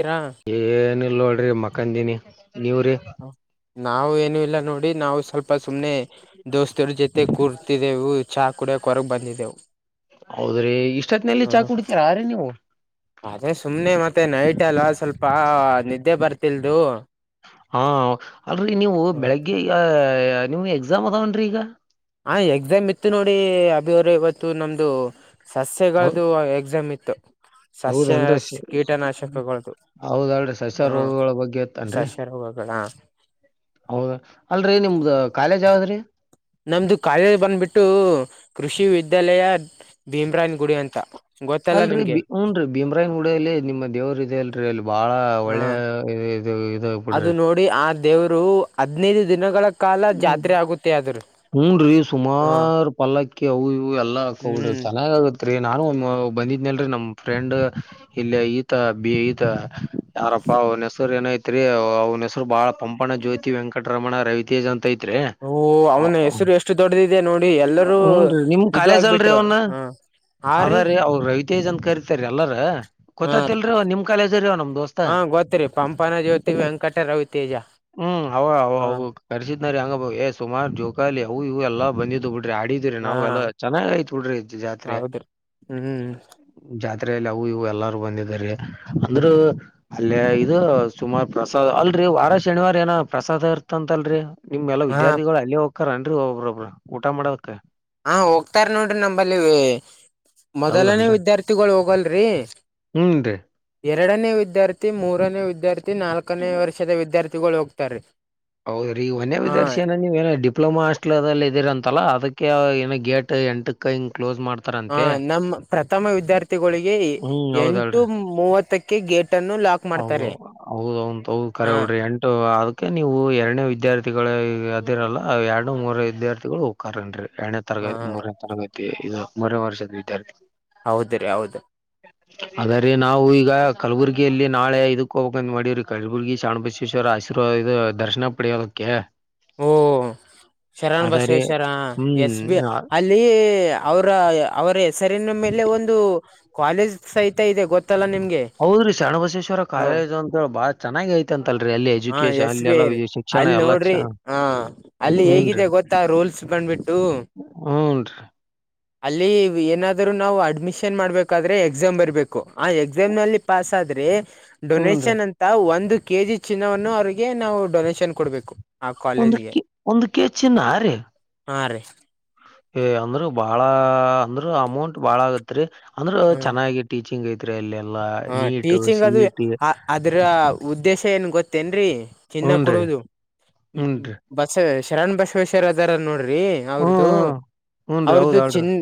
ಎರ ಏನಿಲ್ಲ ನೋಡ್ರಿ ಮಕ್ಕಂದೀನಿ ನೀವ್ರೀ. ನಾವು ಏನು ಇಲ್ಲ ನೋಡಿ ನಾವು ಸ್ವಲ್ಪ ಸುಮ್ಮ್ನೆ ದೋಸ್ತರ ಜೊತೆ ಕೂರ್ತಿದೆೆವು ಚಾ ಕುಡಿಕ ಕೊ ಹೊರಗ ಬಂದಿದೆೆವು. ಹೌದ್ರಿ ಇಷ್ಟತ್ತಿನಲ್ಲಿ ಚಾ ಕುಡತೀರಾ ಆ ರೀ ನೀವು. ಅದೇ ಸುಮ್ನೆ ಮತ್ತೆ ನೈಟ್ ಅಲ್ಲ ಸ್ವಲ್ಪ ನಿದ್ದೆ ಬರ್ತಿಲ್ದು. ಹಾ ಅಲ್ರರಿ ನೀವು ಬೆಳಗ್ಗೆ ಈಗ ನೀವು ಎಕ್ಸಾಮ್ ಅದಾವನ್ರಿ ಈಗ. ಹ ಎಕ್ಸಾಮ್ ಇತ್ತು ನೋಡಿ ಅಭಿವ್ರ ಇವತ್ತು ನಮ್ದು. ಹೌ ಸಸ್ಯಗಳ್ದ ಎಕ್ಸಾಮ್ ಇತ್ತು ಸಸ್ಯ ಹೌದನ್ರಿ ಕೀಟನಾಶಕಗಳ್ದ ಹೌದಲ್ರಿ ಸಸ್ಯ ಹ್ಮ ರೋಗಗಳ ಬಗ್ಗೆ ಸಸ್ಯಗಳದ ಹಾ ಹೌದ ಅಲ್ರಿ ನಿಮ್ದ ಕಾಲೇಜ್ ಯಾವದ್ರಿ. ನಮ್ದು ಕಾಲೇಜ್ ಬಂದ್ಬಿಟ್ಟು ಕೃಷಿ ವಿದ್ಯಾಲಯ ಭೀಮ್ರಾನ್ ಗುಡಿ ಅಂತ. ಗೊತ್ತಲ್ಲ ಅಲ್ರಿ ನಿಮ್ಗೆ ಬಿ ಹುನ್ರಿ ಭೀಮ್ರಾಯ್ಗುಡ ಅಲ್ಲಿ ನಿಮ್ಮ ದೇವರು ಇದೆ ಅಲ್ರಿ ಅಲ್ಲಿ ಬಾಳ ಹಾ ಒಳ್ಳೆ ಹ ಅದು ನೋಡಿ ಆ ದೇವರು ಹದ್ನೈದು ದಿನಗಳ ಕಾಲ ಜಾತ್ರೆ ಆಗುತ್ತೆ. ಆದ್ರ ಹುನ್ರಿ ಸುಮಾರ ಪಲ್ಲಕ್ಕಿ ಅವು ಇವು ಎಲ್ಲ ಹಕಬ ಹ್ಮ್ ಚೆನ್ನಾಗ ಆಗತ್ತ. ತ್ರಿ ನಾನು ಒಮ್ಮಿ ಬಂದಿದ್ನಲ್ರಿ ನಮ್ಮ ಫ್ರೆಂಡ್ ಇಲ್ಲ ಈತ ಬಿ ಈತ ಯಾರಪ್ಪ ಹೆಸರು ಏನೈತ್ರಿ ಅವನ ಹೆಸರು ಬಾಳ ಪಂಪಣ ಜೋತಿ. ಕಿ ವೆಂಕಟರಮಣ ರವಿತೇಜ ಐತ್ರಿ ಓ ಅವನ ಹೆಸರು ಎಷ್ಟು ದೊಡ್ಡದಿದೆ ನೋಡಿ ಎಲ್ಲರೂ ಹುನ್ರಿ ನಿಮ್ ಇದು ಕಾಲೇಜ್ ಅಲ್ರಿ ಆಗ್ಬಿಟ್ರು ಅವನ್. ಹ ಹಾ ರೀ ಅದರೀ ಅವ್ರ ರವಿತಜ್ ಅಂತ ಕರಿತಾರ ಎಲ್ಲಾರ. ಹಾ ರೀ ಗೊತ್ತತಿಲ್ರಿ ಅವ ನಿಮ್ ಕಾಲೇಜ ರೀ ಅವ ನಮ್ ದೋಸ್ತ ಹಾ ಗೊತ್ತರಿ ಪಂಪನ ಜ್ಯೋತಿ ವೆಂಕಟ ರವಿತೇಜ. ಹ್ಮ ಅವ ಅವ ಕರ್ಸಿದ್ನಾರ ಹಂಗ ಏ ಸುಮಾರ್ ಜಕಾಲಿ ಅವು ಇ ಎಲ್ಲಾ ಬಂದಿದ್ದು ಬಿಡ್ರಿ ಆಡಿ. ಇದ್ದಿರಿ ಹಾ ನಾವ್ ಎಲ್ಲ ಚೆನ್ನಾಗ ಆಯ್ತಾ ಬಿಡ್ರಿ ಜಾತ್ರೆ. ಹೌದ್ರಿ ಹ್ಮ್ ಜಾತ್ರೆಲ್ಲಿ ಅವು ಇವು ಎಲ್ಲಾರು ಬಂದಿದ್ದರ ಅಂದ್ರ ಅಲ್ಲೇ ಇದು ಸುಮಾರು ಪ್ರಸಾದ್ ಅಲ್ರಿ ವಾರ ಶನಿವಾರ ಏನ ಪ್ರಸಾದ ಇರ್ತಂತ. ತ್ತಲ್ರಿ ನಿಮ್ ಎಲ್ಲಾ ಹಾ ವಿದ್ಯಾರ್ಥಿಗಳು ಅಲ್ಲಿ ಹೋಕ್ಕಾರನ್ರಿ ಒಬ್ಬ್ರೊಬ್ರ ಊಟ ಮಾಡಕ. ಹಾ ಹೋಗ್ತಾರ ನೋಡ್ರಿ ನಂಬಲ್ಲಿ ಮೊದಲನೇ ವಿದ್ಯಾರ್ಥಿಗಳು ಹೋಗಲ್ರಿ. ಹ್ಮ ರೀ. ಎರಡನೇ ವಿದ್ಯಾರ್ಥಿ ಮೂರನೇ ವಿದ್ಯಾರ್ಥಿ ನಾಲ್ಕನೇ ವರ್ಷದ ವಿದ್ಯಾರ್ಥಿಗಳು ಹೋಗ್ತಾರ. ಹೌದರೀ ಓನ್ಯ ವಿದ್ಯಾರ್ಥಿನ ನೀವ ಏನ ಡಿ ಡಿಪ್ಲೊಮಾ ಹಾಸ್ಟಲ್ ಅಲ್ಲಿ ಇದಿರಂತಲ್ಲ ಅದಕ್ಕೆ ಗೇಟ್ ಎಂಟಕ ಹಿಂಗ ಕ್ಲೋಸ್ ಮಾಡ್ತ ಹ ನಮ್ಮ ಪ್ರಥಮ ವಿದ್ಯಾರ್ಥಿಗಳಿಗೆ ಹ್ಮ್ ಹೌದಲ್ರಿ ಎಂಟು ಮೂವತ್ತಕ್ಕೆ ಗೇಟ್ ಅನ್ನು ಲಾಕ್ ಹೌ ಮಾಡ್ತಾರೆ ಹೌದೌಂ ಹೌದ್ ಕರೆ ಹಾ ಬಿಡ್ರಿ ಎಂಟು ಅದ ಕೆ ನೀವು ಎರಡನೇ ವಿದ್ಯಾರ್ಥಿಗಳ ಅದಿರಲ್ಲ ಎರಡು ಮೂರ ವಿದ್ಯಾರ್ಥಿಗಳು ಹೋಗ್ಕಾರೇನ್ರಿ ಎರಡನೇ ತರಗತಿ ಹ ಮೂರನೇ ತರಗತಿ ಇದು ಮೂರನೆ ವರ್ಷದ ವಿದ್ಯಾರ್ಥಿ. ಹೌದ ರೀ ಹೌದ. ಆದರೆ ನಾವು ಈಗ ಕಲಬುರಗಿಯಲ್ಲಿ ನಾಳೆ ಇದಕ್ಕ ಹೋಗಬೇಕಂದ್ ಮಾಡೀರರಿ ಕಲಬುರ್ಗಿ ಚಾಣುಬಸೇಶ್ವರ ಆಶೀರ್ವಾದ ಇದ ದರ್ಶನ ಪಡೆಯೋದಕ್ಕೆ. ಓ ಶರಣ್ ಅದ ರೀ ಬಸವೇಶ್ವರ ಹ್ಮ್ ಎಸ್ ಬಿ ಆ- ಅ ಲ್ಲಿ ಅವರ ಅವರ ಹೆಸರಿನ ಮೇಲೆ ಒಂದು ಕಾಲೇಜ್ ಸಹಿತ ಇದೆ ಗೊತ್ತಲ್ಲಾ ನಿಮ್ಗೆ. ಹೌದ್ರಿ ಶಣಬಸೇಶ್ವರ ಹ ಕಾಲೇಜು ಅಂತೇಳಿ ಬಾಳ ಚೆನ್ನಾಗ ಐತಂತಲ್ರಿ ಅಲ್ಲಿ ಹ ಎಜುಕೇಶನ್ ಎಸ್ ಅಲ್ಲಿ ಬಿ ಎಲ್ಲ ಐ ಶಿಕ್ಷಣ ಅಲ್ಲಿ ಎಲ್ಲ ಚ ನೋಡ್ರಿ ಹ ಅಲ್ಲಿ ಹೇಗಿದೆ ಗೊತ್ತಾ ರೋಲ್ಸ್ ಬಂದ್ಬಿಟ್ಟು. ಹ್ನ್ ರೀ. ಅಲ್ಲಿ ಏನಾದರು ನಾವು ಅಡ್ಮಿಷನ್ ಮಾಡ್ಬೇಕಾದ್ರೆ ಎಕ್ಸಾಮ್ ಬರ್ಬೇಕು. ಆ ಎಕ್ಸಾಮ್ ನಲ್ಲಿ ಪಾಸ್ ಆದ್ರೆ ಹೂನ್ರಿ ಡೊನೇಷನ್ ಅಂತ ಒಂದು ಕೆ ಜಿ ಚಿನ್ನವನ್ನು ಅವರಿಗೆ ನಾವು ಡೊನೇಶನ್ ಕೊಡ್ಬೇಕು. ಆ ಒಂದ ಕಾಲೇಜ್ಗೆ ಕೆ ಒಂದ್ ಕೆ ಜಿ ಚಿನ್ನ ಆ ರಿ. ಹಾಂ ರೀ. ಏ ಅಂದ್ರೂ ಬಾಳ ಅಂದ್ರ ಅಮೌಂಟ್ ಬಾಳ ಆಗತ್ರಿ ಅಂದ್ರ ಹ್ಮ ಚೆನ್ನಾಗಿ. ಟೀಚಿಂಗ್ ಐತ್ರಿ ಅಲ್ಲಿ ಎಲ್ಲಾ ಹ ನೀಟ್ ಟೀಚಿಂಗ್ ಸಿ ಅದು ಇ ಟಿ ಅದ್ರ ಉದ್ದೇಶ ಏನ್ ಗೊತ್ತೇನ್ರರಿ ಚಿನ್ನ ಹೂನ್ರಿ ಕೊಡುವುದು ಹ್ಮ್ ಹ್ಮ್. ಹೂನ್ರಿ ಬಸವ ಶರಣ್ ಬಸವೇಶ್ವರ್ ಅದಾರ ನೋಡ್ರಿ ಹ್ಮ್ ಅವ್ರದು ಹ್ಮ್ ಹೂನ್ರಿ ಹೌದ್ ಅವ್ರ್ದು ಅಲ್ರಿ ಚಿನ್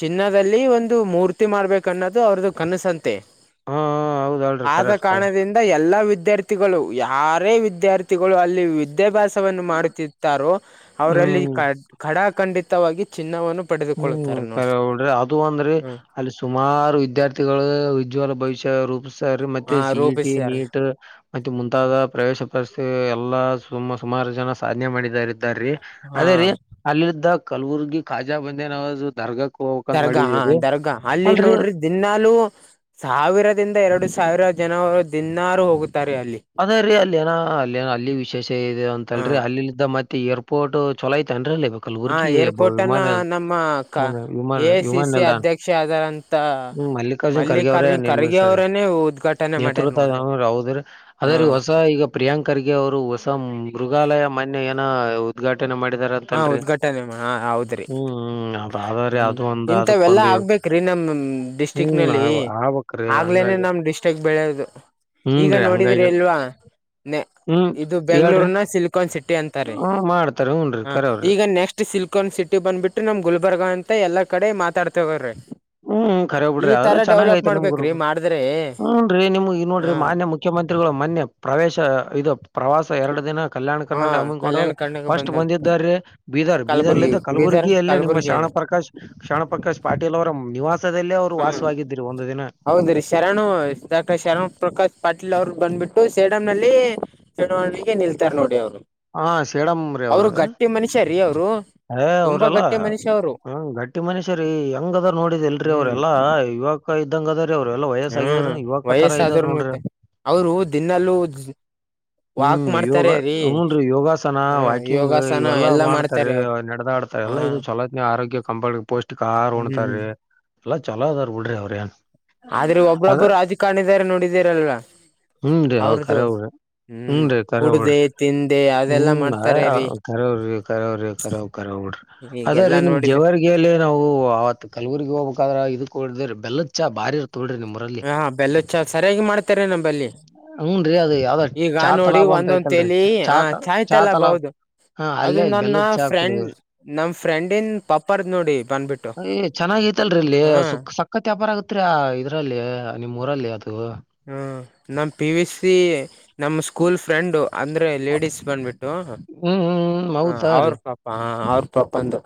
ಚಿನ್ನದಲ್ಲಿ ಒಂದು ಮೂರ್ತಿ ಮಾಡ ಬೇಕ್ ಅನ್ನೊದು ಅವ್ರದು ಕನಸಂತೆ. ಹಾ ಹ ಹೌದ ಆದ ಕಾರಣದಿಂದ ಎಲ್ಲಾ ವಿದ್ಯಾರ್ಥಿಗಳು ಯಾರೇ ವಿದ್ಯಾರ್ಥಿಗಳು ಅಲ್ಲಿ ವಿದ ವಿದ್ಯಾಭ್ಯಾಸವನ್ನು ಮಾಡುತ್ತಿದ್ದಾರೋ ಅವರಲ್ಲಿ ಹ್ಮ್ ಖಡಖಂಡಿತವಾಗಿ ಚಿನ್ನವನ್ನು ಹ್ಮ್ ಪಡೆದುಕೊಳ್ಳುತ್ತಾರೆ ನೋಡಿ ಕರೆ ಬಿಡ್ರಿ ಅದು ಒಂದ್ರಿ. ಹ್ಮ ಅಲ್ಲಿ ಸುಮಾರು ವಿದ್ಯಾರ್ಥಿಗಳು ವಿಜ್ವಲ ಭವಿಷ್ಯ ರೂಪಿಸ ತಾರೆ ಮತ್ತೆ ಹ ಸಿಇ ಟಿ ರೂಪಿಸ್ಯಾರ ನೀಟ್ ಮತ್ತೆ ಮುಂತಾದ ಪ್ರವೇಶ ಪರಿಸ ಎಲ್ಲಾ ಸುಮ ಸುಮಾರು ಜನ ಸಾಧನೆ ಮಾಡಿದಾರ ಇದ್ದಾರಿ. ಹಾ ಅದೇ ರೀ ಅಲ್ಲಿದ್ದ ಕಲಬುರ್ಗಿ ಕಾಜಾ ಬಂದೇನವಾಜ ದರ್ಗಾಕ್ ಹೋಗ್ಬೇಕಂತ್ ದರ್ಗಾ ಹಾ ಮಾಡಿದೀರಿ. ದರ್ಗಾ ಅಲ್ಲಿ ಅಲ್ರಿ ನೋಡ್ರಿ ದಿನಾಲುೂ ಸಾವಿರದಿಂದ ಎರಡು ಸಾವಿರ ಜನವರು ದಿನಾರು ಹೋಗುತ್ತಾರೆ ಅಲ್ಲಿ. ಅದೇ ರೀ ಅಲ್ಲಿ ಏನ ಅಲ್ಲಿನ ಅಲ್ಲಿ ವಿಶೇಷ ಇ ಹ ಅಂತಲ್ರರಿ ಅಲ್ಲಿಲ್ಲಿದ್ದ ಮತ್ತೆ ಏರ್ಪೋರ್ಟ್ ಚಲೋ ಐತೆ ಏನ್ರಿ ಅಲ್ಲಿ ಹ ಕಲಬುರ್ಗಿ ಏರ್ಪೋರ್ಟ್ ಅನ್ನ ವಿಮಾನ ನಮ್ಮ ಕ ವಿಮಾನ ಎ ಸಿ ವಿಮಾನ ಸಿ ನಿಲ್ದಾಣ. ಅಧ್ಯಕ್ಷ ಆದಾರಂತ ಹ್ಮ ಮಲ್ಲಿಕಾರ್ಜುನ್ ಖರ್ಗೆ ಅವ್ರೇ ಖರ್ಗೆ ನಿರ್ಮಲಿಸ್ರ ಅವರನ್ನೇ ಉದ್ಘಾಟನೆ ಮಾಡ್ಯಾರ ನೇತೃತ್ವ ನೋಡ್ರಿ ಹೌದ್ರ ಅದ ಹಾ ರಿ ಹೊಸ ಈಗ ಪ್ರಿಯಾಂಕ್ ಖರ್ಗೆ ಅವರು ಹೊಸ ಮೃಗಾಲಯ ಮನ್ಯ ಏನ ಉದ್ಘಾಟನೆ ಮಾಡಿದ್ದಾರೆ ಅಂತ ಹಾ ಉದ್ಘಾಟನೆ ಮಾ ಹೌದ್ರಿ. ಹ್ಮ್ ಅದರಿ ಹ್ಮ್ ಅದು ಒಂದ್ ಇಂತವೆಲ್ಲಾ ಅದಕ್ಕೊಂದ್ ಆಗ್ಬೇಕ್ರಿ ನಮ ಡಿಸ್ಟ್ರಿಕ್ ಹ್ಮ್ ನಲ್ಲಿ ಆಗ್ ಆಗ್ಬೇಕ್ರಿ ಆಗ್ಲೇನೆ ಹಂಗಾಗಿ ನಮ್ ಡಿಸ್ಟಿಕ್ ಬೆಳೆಯದು ಈಗ ಹ್ಞೂನ್ರಿ ನೋಡಿದ್ರಿ ಹಂಗಾಗಿ ಅಲ್ವಾ ಹ್ಮ್ ಇದು ಹೇಳ್ರಿ ಬೆಂಗಳೂರ್ನ ಸಿಲ್ಕ್ ಕಾನ್ ಸಿಟಿ ಅಂತಾರೆ ಹ್ಮ್ ಮಾಡ್ತಾರ ಹ್ಞೂನ್ರಿ ಹ ಖರೆ ಅವ್ರಿ ಈಗ ನೆಕ್ಸ್ಟ್ ಸಿಲ್ಕಾನ್ ಸಿಟಿ ಬಂದ್ಬಿಟ್ಟು ನಮ್ ಗುಲ್ಬರ್ಗ ಅಂತ ಎಲ್ಲಾ ಕಡೆ ಮಾತಾಡ್ತವರೆ. ಹ್ಮ್ಖರಿ ಕರೆ ಬುಡ್ರಿ ಅದುನು ಚೆನ್ನಾಗ ಐತ್ರಿ ನಮ್ ಗುರು ಮಾಡ್ಬೇಕ್ರಿ ಮಾಡಿದ್ರೆ ಹ್ಮ್ ರಿ ನಿಮ್ಗ ಇಲ್ ನೋಡ್ರಿ ಹಾ ಮಾನ್ಯ ಮು ಮುಖ್ಯಮಂತ್ರಿಗಳು ಮನ್ನೆ ಪ್ರವೇಶ ಇದು ಪ್ರವಾಸ ಎರಡು ದಿನ ಕಲ್ಯಾಣ ಹಾ ಕರ್ನಾಟಕ ಹಮ್ಮಿ ಕೊಡು ಕಲ್ಯಾಣ ಕರ್ನಾಟಕ ಫಸ್ಟ್ ಬಂದ ಬಂದಿದ್ದಾರಿ ಬೀದರ್ ಕಲಬುರ್ಗಿ ಲಿಂದ ಬೀದರ್ ಕಲಬುರ್ಗಿಯಲ್ಲೇ ನಿಮ್ಮ ಕಲಬುರ್ಗಿ ಶರಣ ಪ್ರಕಾಶ್ ಶರಣ್ ಪ್ರಕಾಶ್ ಪಾಟೀಲ್ ಅವರ ನಿವಾಸದಲ್ಲೇ ಅವ್ರು ವಾಸವಾಗಿದ್ದುರಿ ಒಂದು ದಿನ. ಹೌದ್ರೀ ಶರಣ ಡಾಕ್ಟರ್ ಶರಣ್ ಪ್ರಕಾಶ್ ಪಾಟೀಲ್ ಅವ್ರ ಬಂದ್ಬಿಟ್ಟು ಸೇಡಂ ನಲ್ಲಿ. ಚುನಾವಣೆಗೆ ನಿಲ್ತಾರ ನೋಡಿ ಅವ್ರು ಹಾ ಸೇಡಂ ರೀ ಅವ್ರು ಅವ್ರದು ಗಟ್ಟಿ ಮನುಷ್ಯ ರೀ ಅವರು. ಏ ತುಂಬಾ ಅವರೆಲ್ಲಾ. ಗಟ್ಟಿ ಮನುಷ್ಯ ಹ್ಮ ಗಟ್ಟಿ ಮನಷರಿ ಹೆಂಗದರ್ ನೋಡಿದೀಲ್ರಿ ಹ್ಮ್ ಅವ್ರೆಲ್ಲಾ ಇವಾಗ ಯುವಕ ಇದ್ದಂಗ ಅದ ರೀ ಅವ್ರ ಎಲ್ಲ ವಯಸ್ಸ ಆಗಿದ್ರು ಯುವಕ ತರ ಇದ್ದಾರ ನೋಡ್ರಿ. ಅವ್ರು ದಿನಾಲು ಹ್ಮ್ ಯೋಗ ಹ್ನ್ ರೀ ಯೋಗಾಸನ ಹ ವಾಕಿಂಗ್ ಯೋಗಾಸನ ಇವೆಲ್ಲಾ ಎಲ್ಲಾ ಮಾಡ್ತಾರೀ ಮಾಡ್ತಾರೆ ಅವ್ರು ನಡದಾಡ್ತ ಹಾ ಇಂತವೆಲ್ಲ ಇದು ಚಲೋತ್ನ ಆರೋಗ್ಯ ಕಂಪ ಪೌಷ್ಟಿಕ ಆಹಾರ ಹ್ಮ್ ಉಣತಾರಿ. ಎಲ್ಲಾ ಚಲೋದಾರ ಬಿಡ್ರಿ ಅವ್ರ ಏನ್. ಆದ್ರೆ ಅದ ಒಬ್ರೊಬ್ಬರು ರಾಜಕಾರಣಿದಾರ ನೋಡಿದೀರಲ್ವಾ ಹ್ಮ್ ರೀ ಅವ ಅವ್ರದು ಕರೆವರಿ [unintelligible] ಹ್ಮ ಹ್ಮ್ ರೀ ಕರೆಬುಡ್ರಿ ಕುಡ್ದೆ ತಿಂದೆ ಅದೆಲ್ಲಾ ಹ್ಮ್ ಆ ಮಾಡ್ತಾರೆ ರೀ ಏ ಕರೇವ್ರಿ ಕರೆವ್ರಿ ಕರೆವ್ ಕರೆವ್ ಬಿಡ್ರಿ. ಅದ ರೀ ಈಗೆಲ್ಲಾನು. ಜೇವರ್ಗಿಯಲ್ಲಿ ನಾವು ಅವತ್ ಕಲಬುರ್ಗಿಗ ಹೋಗ್ಬೇಕಾದ್ರ ಇದು ಕುಡುದುವ್ರಿ ಬೆಲ್ಲದ ಚಾ ಬಾರಿ ಇರ್ತದ ಬಿಡ್ರಿ ನಿಮ್ ಹ ಬೆಲ್ಲುದ ಚಾ ಸರಿಯಾಗಿ ಮಾಡ್ತಾರಿ ನಂಬಲ್ಲಿ ಹ್ಞೂನ್ರಿ ಅದು ಯಾವ್ದೋ ಈಗ ಈಗ ಚಾ ನೋಡಿ ತಲಾಬ್ ಅಂತ ಒಂದೊಂದ್ ಐತಲ್ರಿ ತೇಲಿ ಚಾ ಚಾ ಆ ತ ಚಾ ಚಾಯಿಯ್ತಲ್ಲ ತಲಾಬ್ ಬೌದು [unintelligible] ಹಾ ಅದು ಅಲ್ಲೇ ನನ್ನ ಬೆಲ್ಲದ್ ಚಾ ಕುಡಿದೇವ್ರಿ. ಫ್ರೆಂಡ್ ನಮ್ ಫ್ರೆಂಡ್ ಇಂದ ಪಪ್ಪರ್ದ್ ನೋಡಿ ಬಂದ್ಬಿಟ್ ಅ ಏ ಚೆನ್ನಾಗ ಐತಲ್ರಿ ಇಲ್ಲಿ ಸುಕ್ ಸ ಸಕ್ಕತ್ ವ್ಯಾಪಾರ ಆಗತ್ರಿ ಆ ಇದ್ರಲ್ಲಿ ನಿಮ್ಮ್ ಊರಲ್ಲಿ ಅದು. ಹ್ಮ ನಮ್ಮ ಪಿ ವಿ ಸಿ ನಮ್ಮ ಹ್ಮ್ ಸ್ಕೂಲ್ ಫ್ರೆಂಡು ಅಂದ್ರೆ ಲೇಡಿಸ್ ಬಂದ್ಬಿಟ್ಟು ಹ ಹ್ಮ್ ಹೌದಾ ಅವ್ರ ರೀ ಪಪ್ಪಾ ಹಾ ಅವ್ರ ಪಪ್ಪಾಂದು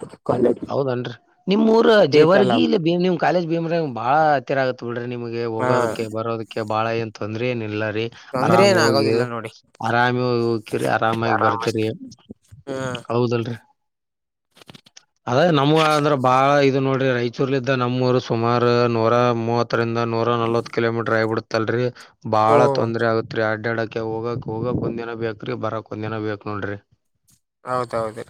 ಹೌದನ್ರಿ ನಿಮ್ ಊರ ಸೀಟ್ ಎಲ್ಲ ಜೆವರ್ಗಿ ಇಲ್ಲಿ ಬಿ ನಿಮ್ ಕಾಲೇಜ್ ಭೀಮ್ರ ಬಾಳ ಹತ್ತಿರ ಆಗತ್ತ ಬಿಡ್ರಿ ನಿಮಗೆ ಹಾ ಹೋಗೋದಕ್ಕೆ ಬರೋದಕ್ಕೆ ಬಾಳ ಏನ್ ತೊಂದ್ರೆ ಎನ್ ಇಲ್ಲ ರಿ ತೊಂದ್ರೆ ಆರಾಮ ಏನ್ ಹೋಗಿ ಆಗೋದಿಲ್ಲ ನೋಡಿ ಆರಾಮಿ ಹೋಗಿ ಹೋಕಿರಿ ಆರಾಮಾಗಿ ಆರಾಮ ಬರ್ತೀರಿ. ಹ್ಮ ಹೌದಲ್ರಿ. ಅದ ನಮ್ಮು ಆದ್ರ ಬಾಳ ಇದು ನೋಡ್ರಿ ರಾಯಚೂರ್ಲಿದ್ದ ನಮ್ಮೂರು ಸುಮಾರ ನೂರ ಮೂವತ್ ಹತ್ತರಿಂದ ನೂರ ನಲ್ವತ್ ಕಿಲೋಮೀಟರ್ ಆಗಿಬಿಡತ್ತಲ್ರಿ ಓ ಬಾಳ ತೊಂದ್ರೆ ಆಗುತ್ತ ತ್ರಿ ಅಡ್ಡ್ಯಾಡಕ ಹೋಗಕ್ ಹೋಗಕ್ ಒಂದ ದಿನ ಬೆಕ್ರಿ ಬರಕ್ ಒಂದ್ ದಿನ ಬೇಕ್ ನೋಡ್ರಿ. ಹೌದೌದು ರೀ.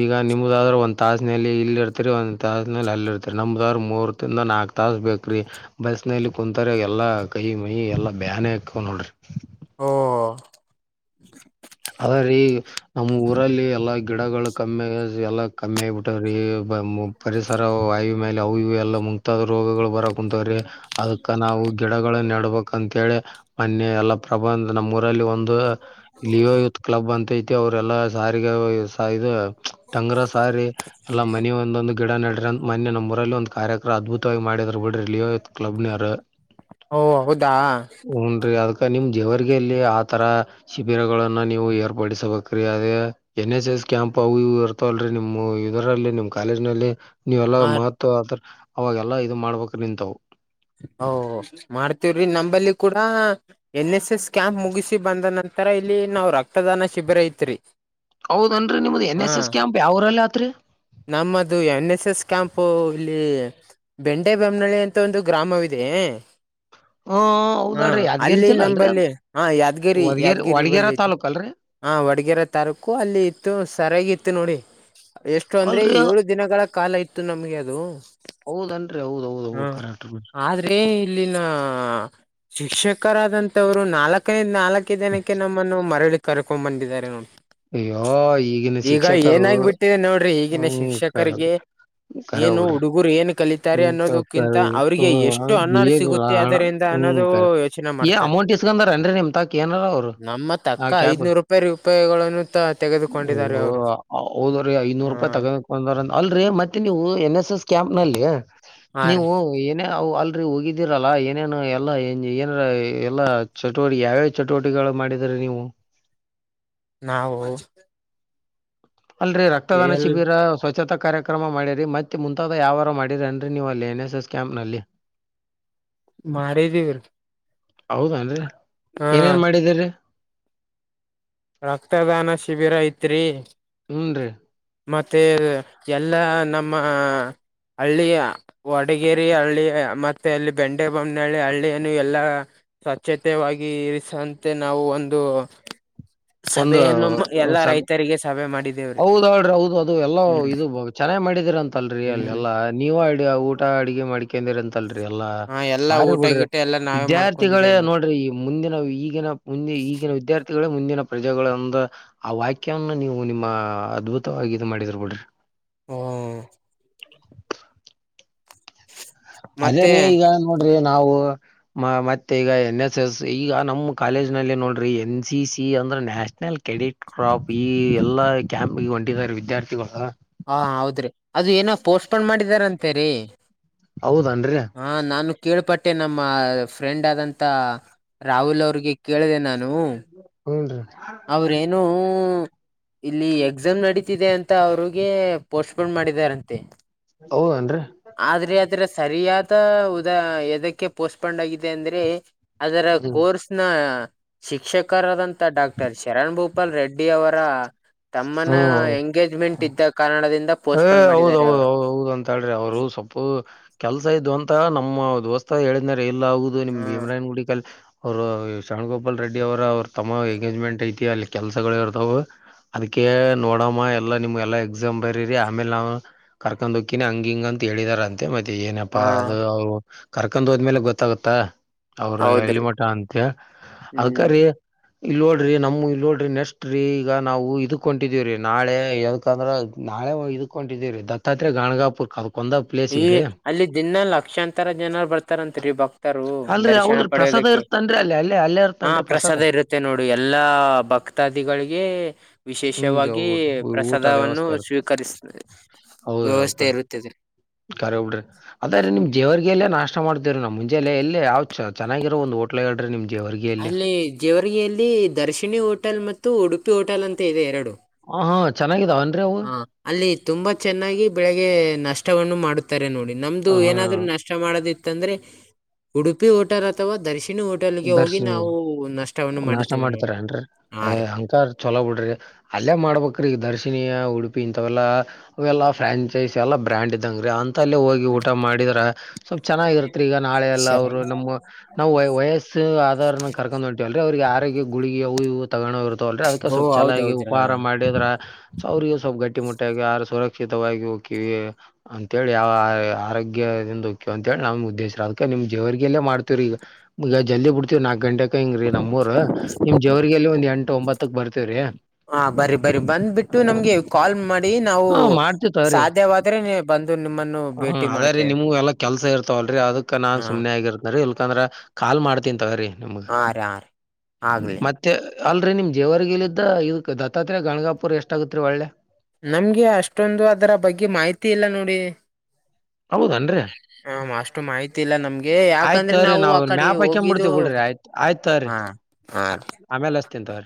ಈಗ ನಿಮದಾದ್ರ ಒಂದ್ ತಾಸಿನಲ್ಲಿ ಇಲ್ಲಿರ್ತೀರಿ ಒಂದು ತಾಸನಲ್ಲಿ ಅಲ್ಲಿರ್ತರಿ ನಮ್ಮ್ದವ್ರು ಮೂರು ತಿಂದ ನಾಕ್ ತಾಸ ಬೇಕ್ರಿ. ಬಸ್ನಲ್ಲಿ ಕುಂತರಿಗೆಲ್ಲ ಕೈ ಮಯಿ ಎಲ್ಲಾ ಬ್ಯಾನೆ ಆಕವ್ ನೋಡ್ರಿ. ಹೊ ಹೌದ್ರೀ ಈಗ್ ನಮ್ಮ ಊರಲ್ಲಿ ಎಲ್ಲಾ ಗಿಡಗಳ ಕಮ್ಮಿ ಆಗ್ಯಾದ್ರಿ ಎಲ್ಲಾ ಕಮ್ಮಿ ಬಿಟ್ಟಾದ್ರಿ ಬ ಮು ಪರಿಸರ ವಾಯು ಮ್ಯಾಲ ಅವು ಇವು ಎಲ್ಲ ಮುಂತಾದ ರೋಗಗಳು ಬರ ಕುಂತವ್ರಿ ಅದಕ್ಕ ನಾವು ಗಿಡಗಳನ್ನ ನೆಡಬೇಕ ಅಂತೇಳಿ ಮನ್ನೆ ಎಲ್ಲಾ ಪ್ರಬಂಧ ನಮ್ಮೂಊರಲ್ಲಿ ಒಂದು. ಲಿಯೋ ಯೂತ್ ಕ್ಲಬ್ ಅಂತ ಐತಿ ಅವರೆಲ್ಲಾ ಸಾರಿಗೆ ಇವು ಸಾ ಇದು ಟಂಗರ ಸಾರಿ ಎಲ್ಲ ಮನಿ ಒಂದೊಂದುಕ. ಗಿಡ ನೆಡ್ರಿ ಅಂತ ಮೊನ್ನೆ ನಮ್ಮೂರಲ್ಲಿ ಒಂದು ಕಾರ್ಯಕ್ರಮ ಅದ್ಭುತವಾಗಿ ಮಾಡಿದ್ ಬಿಡ್ರಿ ಲಿಯೋ ಯೂಥ್ ಕ್ಲಬ್ ನೋರು. ಓ ಹೌದಾ ಹ್ನು ರೀ ಅದ್ಕಕಾ ನಿಮ್ಮ್ ಜೇವರ್ಗಿಯಲ್ಲಿ ಆತರ. ಬಿರಗಳನ್ನ ನೀವು ಏರ್ಪಡಿಸಬೇಕ್ರೀ ಅದೇ ಎನ್ ಎಸ್ ಎಸ್ ಕ್ಯಾಂಪ್ ಅವು ಇವು ಇರ್ತಾವಲ್ರರಿ ನಿಮ್ಮ್ ಇದರಲ್ಲಿ ನಿಮ್ಮ್. ಕಾಲೇಜ್ ನಲ್ಲಿ ನೀವೆಲ್ಲಾ ಹ ಮಹತ್ವ ಆತ ಅವಾಗೆಲ್ಲಾ ಇದು ಮಾಡ್ಬೇಕ್ ರೀ ನಿಂತವು. ಮಾಡ್ತವ್ರಿ ನಂಬಲ್ಲಿ ಕೂಡ. ಎನ್ ಎಸ್ ಎಸ್ ಕ್ಯಾಂಪ್ ಮುಗಿಸಿ ಬಂದ ನಂತರ ಇಲ್ಲಿ ನಾವ್ ರಕ್ತದಾನ ಶಿಬಿರ ಇತ್ರಿ. ಹೌದನ್ರಿ ನಿಮ್ದ್ ಎನ್ ಎಸ್ ಎಸ್ ಕ್ಯಾಂಪ್ ಯಾವೂರಲ್ಲಿ ಆತ್ರಿ. ನಮ್ಮದು ಎನ್ ಎಸ್ ಎಸ್ ಕ್ಯಾಂಪು ಇಲ್ಲಿ. ಬೆಂಡೆ ಬೊಮ್ಮನಹಳ್ಳಿ ಅಂತ ಒಂದು ಗ್ರಾಮವಿದೆ. ಹಾ ಹಾ ಹೌದಲ್ರಿ ಯಾದಗಿರಿ ಅಲ್ಲಿ ಜಿಲ್ಲೆ ಅಲ್ರಿ ಅದು ನಂಬಲ್ಲಿ ಹಾ ಯಾದ್ಗಿರಿ ವದಗೇರಿ ಯಾದ್ಗಿರಿ ವಡಗೇರಾ ಬಲಿ ಐತೆ. ತಾಲೂಕ್ ಅಲ್ರಿ? ಹಾ ವಡಗರೆ ತಾಲ್ಲುಕು ಅಲ್ಲಿ ಇತ್ತು ಸರಿಯಾಗಿ ಇತ್ತು ನೋಡಿ. ಅಷ್ಟು ಅಂದ್ರೆ ಅಲ್ರಿ ಏಳು ದಿನಗಳ ಕಾಲ ಇತ್ತು ನಮ್ಗೆ ಅದು. ಹೌದನ್ರಿ ಹೌದೌದು. ಹ್ಮ ಆದ್ರೇ. ಇಲ್ಲಿನ ಶಿಕ್ಷಕರಾದಂತವ್ರು ನಾಲ್ಕೈಡ್ ನಾಲ್ಕೇ ಜನಕ್ಕೆ ನಮ್ಮಗೆ. ಮರಳಿ ಕರ್ಕೊಂಡ್ ಬಂದಿದ್ದಾರೆ ನೋಡ್. ಅಯ್ಯೋ ಈಗಿನ ಶಿಕ್ಷಕರು ಬಿಟ್ಟಿದೆ ನೋಡ್ರಿ ಈಗಿನ ಹ್ಮ. ಕಾರೆ ಬುಡ್ರಿ. ಗು ಏನ್ ಕಲಿತಾರೆ ಅನ್ನೋದು. ಕಿಂತ ಅವ್ರಿಗೆ ಎಷ್ಟು ಹ್ಮ್ ಹಣ ಏನಿಲ್ಲ ಸಿಗುತ್ತೆ ಹಣ ಅದರಿಂದ ಹ್ಮ್ ಅನ್ನೋದು ಕರೆ. ಯೋಚನೆ ಏ ಮಾಡ್ತಾರೆ. ಅಮೌಂಟ್ ಇಸ್ಕೊಂಡಾರೇನ್ರಿ ನಿಮ್ ತಾಕ ಏನಾರ ಅವ್ರು ನಮ್ಮ ಆ ತಅಕ್ಕ ಐದನೂರು ರೂಪಾಯಿ ರೂಪಾಯಿಗಳನ್ನು. ತೆಗೆದುಕೊಂಡಿದ್ದಾರೆ ಅವರು ಹದ್ರೀ ಐನೂರು ಹ ರೂಪಾಯಿ ತಗ. ಒಂದ ಅಲ್ರಿ ಮತ್ತೆ ನೀವು ಎನ್ ಎಸ್ ಎಸ್ ಕ್ಯಾಂಪ್ ನಲ್ಲಿ ಹಾ ರೀ ನೀವು ಏನ. ನಾವು ಅಲ್ಡಿ ಹೋಗಿದ್ದೀರಲ್ಲ ಏನೇನು ಎಲ್ಲ ಏನ ಎಲ್ಲಾ ಚಟುವಟಿಕೆ. ಚಟುವಟಿಕೆಗಳು ಮಾಡಿದರೆ ನೀವು. ನಾವು. ಅಲ್ರೀ ರಕ್ತದಾನ ಎಲ್ ಶಿಬಿರ ಸ್ವಚ್ಛತಾ ಕಾರ್ಯಕ್ರಮ. ಕ್ರಮ ಮಾಡಿರಿ ಮತ್ತೆ ಮುಂತಾದ ಯಾವಾರು ಮಾಡಿರಿ ಅನ್ರರಿ ನೀವು ಅಲ್ಲಿ ಎನ್ ಎಸ್ ಎಸ್ ಕ್ಯಾಂಪ್ ನಲ್ಲಿ. ಮಾಡಿದೀವ್ರೀ. ಹೌದೇನ್ ರೀ ಏನೇನ್ ಮಾಡಿದೀರೀ. ರಕ್ತದಾನ ಶಿಬಿರ ಇತ್ ರೀ. ಹ್ಞೂ ರೀ. ಮತ್ತೆ ಎಲ್ಲ ನಮ್ಮ ಹಳ್ಳಿಯ. ವಡಗೇರಿ ಹಳ್ಳಿ ಮತ್ತೆ ಅಲ್ಲಿ ಬೆಂಡೆ ಬೊಮ್ಮನಹಳ್ಳಿ ಹಳ್ಳಿಯ ನು ಎಲ್ಲಾ. ಸ್ವಚ್ಛತೆವಾಗಿ ಇರಿಸಂತೆ ನಾವು ಒಂದು.. ಒಂದು ಸಭೆಯನ್ನು ಎಲ್ಲಾ ಸ ರೈತರಿಗೆ ಸಭೆ ಮಾಡಿದೇವ್ರಿ ಹೌದ ಹ್ರಿ ಹೌದು ಅದು ಎಲ್ಲ ಇದು. ಚೆನ್ನಾಗಿ ಮಾಡಿದೀರ ಅಂತಲ್ರರಿ ಅಲ್ಲೆಲ್ಲಾ ನೀವು ಅ ಊಟ ಅಡಗೆ ಮಾಡ. ಯಾಕಂದ್ರ ಅಂತಲ್ರಿ ಎಲ್ಲಾ ಹ ಎಲ್ಲಾ ಬಾರಿ ಊಟ ಬಿಡ್ರಿ ಗಿಟ ಎಲ್ಲಾ ನಾವೇ ವಿದ್ಯಾರ್ಥಿಗಳೇ ಮಾಡ್ಕೊಂಡಿದೇವ್ ನೋಡ್ರಿ. ಮುಂದಿನ ಈಗಿನ ಮುಂದಿನ ಈಗಿನ ವಿದ್ಯಾರ್ಥಿಗಳೇ ಮುಂದಿನ. ಪ್ರಜೆಗಳ ಒಂದ ಆ ವಾಕ್ಯವನ್ನ ನೀವು ನಿಮ್ಮ ಅದ್ಭುತವಾಗಿ ಇ ಮಾಡಿದ್ರ ಡ್ರಿ. ಹಾ. ಅದೇ ಮತ್ತೆ ರೀ ಈಗ ನೋಡ್ರಿ ನಾವು. ಮ ಮತ್ತೆ ಈಗ ಎನ್ ಎಸ್ ಎಸ್ ಈಗ ನಮ್ಮ್ ಕಾಲೇಜ್ ನಲ್ಲಿ ನೋಡ್ರಿ ಎನ್ ಸಿ ಸಿ ಅಂದ್ರ ನ್ಯಾಷನಲ್ ಕ್ರೆಡಿಟ್. ಕ್ರಾಪ್ ಈ ಎಲ್ಲಾ ಕ್ಯಾಂಪ್ಗೆ ಹೊಂಟಿದ್ದಾರೆ ವಿದ್ಯಾರ್ಥಿಗಳು. ಹಾ ಹೌದ್ರಿ ಅದು ಏನ ಪೋಸ್ಟ್ಪೋನ್್ ಮಾಡಿದಾರ ಅಂತೇರಿ. ಹೌದನ್ರಿ ಹಾ ನಾನು ಕೇಳ್ಪಟ್ಟೆ ನಮ್ಮ ಫ್ರೆಂಡ್ ಆದಂತ. ರಾಹುಲ್ ಅವ್ರಿಗೆ ಕೇಳಿದೆ ನಾನು. ಹುನ್ರಿ ಅವ್ರೇನುೂ ಇಲ್ಲಿ ಎಕ್ಸಾಮ್ ನಡೀತಿದೆ ಅಂತ ಅವ್ರಿಗೆ ಪೋಸ್ಟ್ಪೋನ್ ಮಾಡಿದಾರಂತೆ. ಹೌದನ್ರೀ. ಆದ್ರೆ ಅದರ ಸರಿಯಾದ ಉದಾ ಎದಕ್ಕೆ ಪೋಸ್ಟ್ಪೋಂಡ್ ಆಗಿದೆ ಅಂದ್ರೆ ಅದರ ಹ್ಮ್ ಕೋರ್ಸ್ ನ ಶಿಕ್ಷಕರಾದಂತ ಡಾಕ್ಟರ್ ಶರಣ್ ಭೋಪಾಲ್ ರೆಡ್ಡಿ ಅವರ ತಮ್ಮನ ಹ್ಮ್ ಎಂಗೇಜ್ಮೆಂಟ್ ಇದ್ದ ಕಾರಣದಿಂದ ಪೋಸ್ಟ್ಪೋನ್ ಮಾಡಿದ್ದಾರೆ ಅವ್ರು. ಮಾತಾಡ್ರ ಅವರು ಸೊಪ್ಪು ಕೆಲಸ ಇದ್ ಅಂತ ನಮ್ಮ ದೋಸ್ತ ಹೇಳಿದ್ನರಿ ಇಲ್ಲ [unintelligible] ನಿಮ್ ಹ್ಮ್ ಬಿಮ್ರಾನ್ ಗುಡಿಕಲ್ ಅವರು ಶರಣ್ಗೋಪಾಲ್ ರೆಡ್ಡಿ ಅವರ ಅವ್ರ ತಮ್ಮ ಎಂಗೇಜ್ಮೆಂಟ್ ಐತಿ ಅಲ್ಲಿ ಕೆಲಸಗಳು ಇರ್ತವು ಅದಕ್ಕೆ ನೋಡಮ್ಮ ಎಲ್ಲಾ ನಿಮ್ಗೆ ಎಲ್ಲಾ ಎಕ್ಸಾಮ್ ಬರರಿ ಆಮೇಲೆ ನಾವು ಕರ್ಕೊಂಡ್ ಹಕ್ಕಿನಿ ಹಂಗ ಹಿಂಗ ಅಂತ ಹೇಳಿದರಂತೆ ಅ ಏನಪ್ಪಾ ಹಾ ಅದು ಅವ್ರು ಕರ್ಕೊಂಡ್ ಹೋದ್ಮೇಲೆ ಗೊತ್ತಾಗುತ್ತಾ? ಅವ್ರ ಎಲ್ಲಿ ಹೌದ್ರಿ ಮಠ ಅಂತೆ ಹ್ಮ್ ಅದಕಾರಿ ಇಲ್ ನೋಡ್ರಿ ನಮ್ಮ ಇಲ್ಲಿ ನೋಡ್ರಿ ನೆಕ್ಸ್ಟ್ ರೀ ಈಗ ನಾವು ಇದ್ಕೊಂಡಿದೀವ್ರೀ ನಾಳೆ ಯಾಕಂದ್ರ ನಾಳೆ ಇದ್ಕೊಂಡಿದೀವ್ರೀ ದತ್ತಾತ್ರಯ ಗಣಗಾಪುರ್ಕ ಈ ಅಲ್ಲಿ ದಿನ ಲಕ್ಷಾಂತರ ಜನ ಬರ್ತಾರಂತರಿ ಬಕ್ ತರು ಅಲ್ರರಿ ದರ್ಶನ ಹೌದ್ರಿ ಪ್ರಸಾದ ಪಡೆಯೋದಕ್ಕೆ ಇರ್ತನ್ರಿ ಅಲ್ಲಿ ಅಲ್ಲೇ ಅಲ್ಲೇ ಹ ಇರ್ತನ್ರಿ ಪ್ರಸಾದ ಇರುತ್ತೆ ನೋಡಿ ಎಲ್ಲಾ ಭಕ್ ತದಿಗಳಿಗೆ ಹ್ಮ್ ರೀ ಹೌ ವಿಶೇಷವಾಗಿ ಊಟದ ಪ್ರಸಾದವನ್ನು ವ್ಯವಸ್ಥೆ ಇರುತ್ತೆ ಸ್ವೀಕರಿಸ ಹೌದ್ರಿ ವ್ಯವಸ್ಥೆ ಹೌದ್ರಿ ಇರುತ್ತದೆ ಕರೆ ಬುಡ್ರಿ ಅದ್ರೀ ನಿಮ್ ಹ್ಮ್ ಜೇವರ್ರಿಗೆ ಎಲ್ಲಾ ನಾಷ್ಟ ಮಾಡ್ತವ್ರ ನಮ್ ದೆ ಎಲ್ಲಿ ಯಾವ್ ಚನ್ ಚನ್ನಾಗಿರ ಒಂದು ಹೋಟ್ಲ್ ಹೇಳ್ರೆ ನಿಮ್ ಜೇವರ್ಗಿಯಲ್ಲಿ ಅಲ್ಲಿ ಜೇವರ್ಗಿಯಲ್ಲಿ ದರ್ಶಿನಿ ಹೋಟೆಲ್ ಮತ್ತು ಉಡುಪಿ ಹೋಟೆಲ್ ಅಂತ ಇದೆ ಎರಡು. ಹ ಹಾ ಚೆನ್ನಾಗಿದಾವ ಅವ ಹಾ ಅಲ್ಲಿ ತುಂಬಾ ಚೆನ್ನಾಗಿ ಬೆಳಿಗ್ಗೆ ನಷ್ಟವನ್ನು ಮಾಡುತ್ತಾರೆ ನೋಡಿ ನಮ್ದು ಹ ಹಾ ಏನಾದ್ರು ನಷ್ಟ ನಾಷ್ಟಾ ಮಾಡೋದಿತ್ತಂದ್ರೆ ಉಡುಪಿ ಓಟರ್ ಅಥವಾ ದರ್ಶಿಣಿ ಓಟ ದರ್ಶನ್ ನನಾಷ್ಟಾ ಮಾಡುತ್ತೇವೆ ನೋಡಿ ಮಾಡ್ತಾರ್ ಏನ್ರಿ ಹಾ ಏ ರೀ ಅಂತರ್ ಚೊಲೋ ಬಿಡ್ರಿ. ಅಲ್ಲೇ ಮಾಡ್ಬೇಕ್ರೀಗ ದರ್ಶಿನಿಯ ಉಡುಪಿ ಇಂಥವೆಲ್ಲಾ ಅವೆಲ್ಲಾ ಫ್ರಾಂಚೈಸ್ ಎಲ್ಲ ಬ್ರ್ಯಾಂಡ್ ಇದಂಗ ರೀ ಅಂತ ತಲ್ಲೇ ಹೋಗಿ ಊಟ ಮಾಡಿದ್ರ ಸ್ವಲ್ಪ ಚೆನ್ನಾಗಿರ್ತ್ತರಿ ಈಗ ನಾಳೆ ಎಲ್ಲ ಸರಿ ಅವರು ನಮ್ ನಾವು ವಯಸ್ಸ ಆಧಾರ ನಗ್ ಕರ್ಕೊಂಡ್ ಹೊಂಟೀವಲ್ರಿ ಅವ್ರರಿಗೆ ಆರೋಗ್ಯ ಗುಳಿಗಿ ಅವು ಇವು ತಗೋನೋ ತೋಲ್ರಿ ಅದಕ್ಕ ಓ ಸ್ವಲ್ಪ ಚೆನ್ನಾಗಿ ಹೌದೌದ್ರಾ ಉಪಹಾರ ಮಾಡಿದ್ರ ಅವ್ರಗೂ ಸ್ವಲ್ಪ ಗಟ್ಟಿಮಟ್ಟಾಗಿ ಯಾರು ಸುರಕ್ಷಿತವಾಗಿ ಹೋಗಕಿವವಿ ಅಂತೇಳಿ ಯಾವ ಆರೋಗ್ಯದಿಂದಕ್ಯ ಅಂತೇಳಿ ನಮ್ ಉದ್ದೇಶ ಅದಕ ನಿಮ್ ಜೇವರಿಗೆಲ್ಲೇ ಮಾಡ್ತವ್ರ ಈಗ ಈಗ ಜಲ್ದಿ ಬಿಡ್ತೇವಿ ನಾಲ್ಕ ಗಂಟೆಗ್ ಹೆಂಗ್ರಿ ನಮ್ಮೂರ್ ನಿಮ್ ಜವರಿಗೆಲ್ಲಿ ಒಂದ್ ಎಂಟು ಒಂಬತ್ತಕ್ ಬರ್ತೇವ್ರಿ. ಹಾ ಬರಿ ಬರಿ ಬಂದ್ಬಿಟ್ಟು ನಮ್ಗೆ ಕಾಲ್ ಮಾಡಿ ನಾವು ಹಾ ಮಾಡ್ತಿವಿ ತೋರಿ ಸಾಧ್ಯವಾದ ಆದ್ರೆನೇ ಬಂದು ನಿಮ್ಮನ್ನು ಹ್ಮ ಭೇಟಿ ಅದ ರೀ ಮಾಡ್ತೇವೆ ನಿಮ್ಗೂ ಎಲ್ಲಾ ಕೆಲ್ಸ ಇರ್ತವಲ್ರರಿ ಅದಕ್ ನಾನ್ ಹಾ ಸುಮ್ಮನೆ ಆಗಿರ್ತ ರಿ ಇಲ್ಕಂದ್ರ ಕಾಲ್ ಮಾಡ್ತಿನಿತಗ್ರಿ ನಿಮಗ್ ಹಾ ರೀ ಹಾ ರೀ ಆಗ್ಲಿ ಮತ್ತ ಅಲ್ರಿ ನಿಮ್ ಜೇವರ್ಗಲ್ಲಿದ್ದ ಇದಕ್ಕೆ ದತ್ತಾತ್ರರಿಯ ಗಣಗಾಪುರ ಎಷ್ಟಾಗುತ್ತೆ ರೀ ಒಳ್ಳೆ ನಮ್ಗೆ ಅಷ್ಟೊಂದು ಅದರ ಬಗ್ಗೆ ಮಾಹಿತಿ ಇಲ್ಲ ನೋಡಿ ಹೌದನ್ರರಿ ಹ ಅಷ್ಟು ಮಾಹಿತಿ ಇಲ್ಲ ನಮ್ಗೆ ಆಯ್ತ್ ಯಾಕಂದ್ರೆ ತೋರಿ ನಾವು ಅ ನಾವ್ ಕಡೆ ಮ್ಯಾಪ್ ಹಾಕೊಂಡ್ ಹೋಗಿದ್ದು ಬಿಡ್ತೀವಿ ಬಿಡ್ರಿ ಹಾ ಹಾ ರೀ ಆಮೇಲೆಷ್ಟ ತಿಂತವರಿ